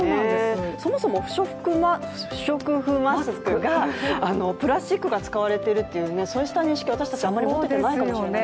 そもそも不織布マスクがプラスチックが使われているっていうそうした認識、私たちあまり持ててないかもしれませんね。